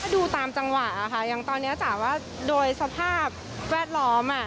ดูตามจังหวะค่ะอย่างตอนนี้จ๋าว่าโดยสภาพแวดล้อม